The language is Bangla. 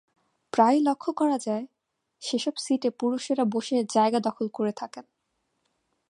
প্রায়ই লক্ষ করা যায়, সেসব সিটে পুরুষেরা বসে জায়গা দখল করে থাকেন।